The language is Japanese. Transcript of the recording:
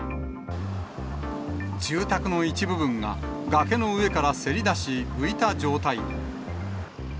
住宅の一部分が、崖の上からせり出し、浮いた状態に。